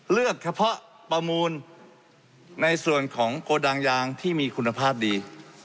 เลือกเฉพาะประมูลในส่วนของโกดังยางที่มีคุณภาพดี